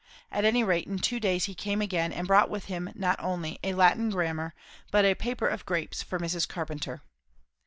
At any rate, in two days he came again; and brought with him not only a Latin grammar, but a paper of grapes for Mrs. Carpenter.